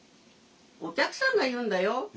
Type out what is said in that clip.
お客さんが言うんだよ。